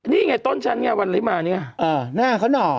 นี่ไงต้นฉันไงวันไหลมาเนี่ยหน้าเขาหน่อ